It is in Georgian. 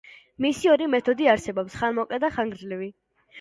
მისი ორი მეთოდი არსებობს: ხანმოკლე და ხანგრძლივი.